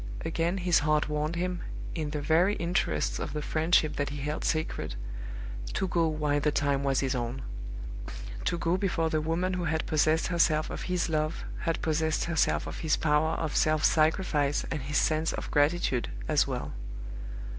Again his heart warned him, in the very interests of the friendship that he held sacred, to go while the time was his own; to go before the woman who had possessed herself of his love had possessed herself of his power of self sacrifice and his sense of gratitude as well.